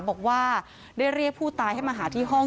บอกว่าได้เรียกผู้ตายให้มาหาที่ห้อง